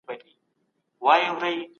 سياست بايد د خلکو د خوښې پرېکړې وکړي.